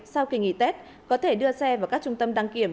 sau kỳ nghỉ tết có thể đưa xe vào các trung tâm đăng kiểm